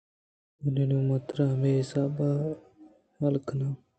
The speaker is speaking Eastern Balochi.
بلے نوں من ترا ہمے حساب ءَ یلہ کناں